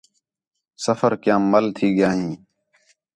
سفر کیام مَل تھی ڳیا ہیں